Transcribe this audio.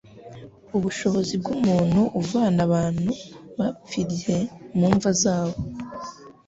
ubushobozi bw'umuntu uvana abantu bapfirye mu mva zabo.